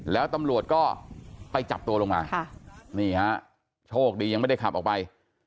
แล้วตำรวจก็ไปจับตัวลงมานี่ฮะโชคดียังไม่ได้ขับออกไป